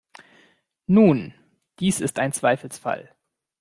Nun, dies ist ein Zweifelsfall.